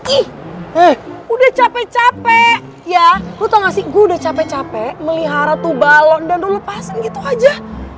ih udah cape cape ya lo tau gak sih gue udah cape cape melihara tuh balon dan lo lepasin gitu aja